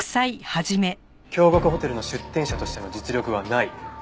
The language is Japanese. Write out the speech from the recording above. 京極ホテルの出店者としての実力はない。